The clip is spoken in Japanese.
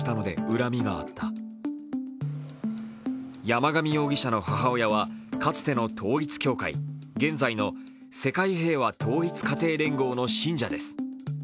山上容疑者の母親は、かつての統一教会、現在の世界平和統一家庭連合の信者です。